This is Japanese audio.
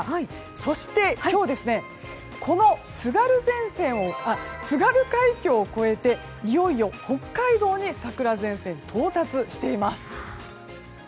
そして今日この津軽海峡を越えていよいよ北海道に桜前線が到達しています。